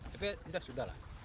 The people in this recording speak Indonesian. tapi kita sudah lah